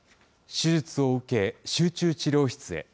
手術を受け、集中治療室へ。